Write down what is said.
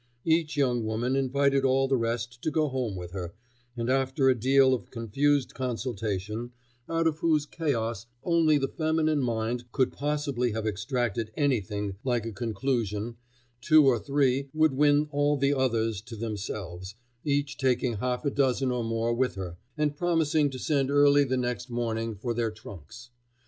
Each young woman invited all the rest to go home with her, and after a deal of confused consultation, out of whose chaos only the feminine mind could possibly have extracted anything like a conclusion, two or three would win all the others to themselves, each taking half a dozen or more with her, and promising to send early the next morning for their trunks.